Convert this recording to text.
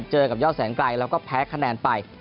เจอกับยอดแสนไกลแล้วก็แพ้คะแนนไป